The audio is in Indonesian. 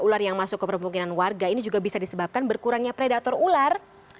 jumlah ular yang masuk kepermungkinan warga ini juga bisa disebabkan berkurangnya predator ular